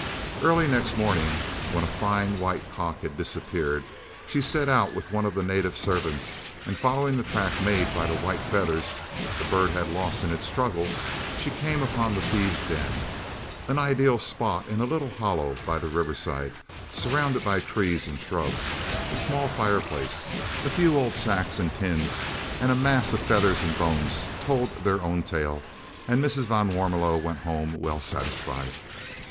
Early next morning, when a fine white cock had disappeared, she set out with one of the native servants, and, following the track made by the white feathers the bird had lost in its struggles, she came upon the thieves' den. An ideal spot in a little hollow by the riverside, surrounded by trees and shrubs! A small fireplace, a few old sacks and tins and a mass of feathers and bones told their own tale, and Mrs. van Warmelo went home well satisfied.